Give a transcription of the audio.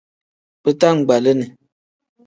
Bitangbalini.